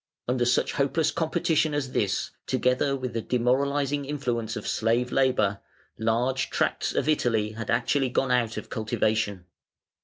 Under such hopeless competition as this, together with the demoralising influence of slave labour, large tracts of Italy had actually gone out of cultivation.